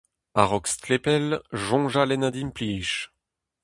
A-raok stlepel, soñjal en adimplij.